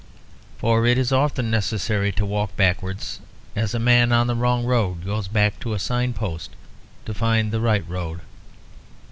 For it is often necessary to walk backwards, as a man on the wrong road goes back to a sign post to find the right road.